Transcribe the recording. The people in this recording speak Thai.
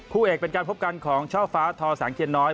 คู่เอกเป็นการพบกันของเช้าฟ้าทศเคียนน้อย